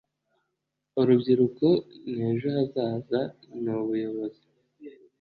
urubyiruko, ni ejo hazaza, ni ubuyobozi